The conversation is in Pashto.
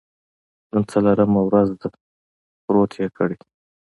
نن څلورمه ورځ ده، پروت یې کړی.